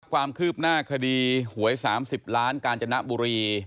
ความคืบหน้าคดีหวย๓๐ล้านกาญจนบุรี